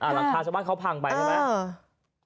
หลังคาชาวบ้านเขาพังไปใช่ไหม